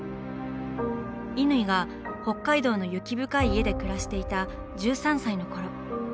乾が北海道の雪深い家で暮らしていた１３歳のころ。